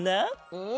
うん。